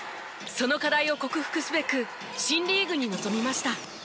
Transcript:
その課題を克服すべく新リーグに臨みました。